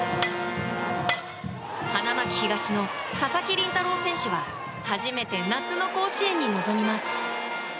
花巻東の佐々木麟太郎選手は初めて夏の甲子園に臨みます。